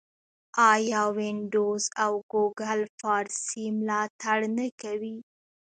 آیا وینډوز او ګوګل فارسي ملاتړ نه کوي؟